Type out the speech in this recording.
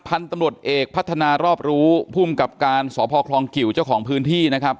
พันธุ์ตำรวจเอกพัฒนารอบรู้ภูมิกับการสพคลองกิวเจ้าของพื้นที่นะครับ